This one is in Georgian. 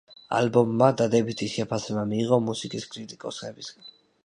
ალბომმა დადებითი შეფასება მიიღო მუსიკის კრიტიკოსებისგან.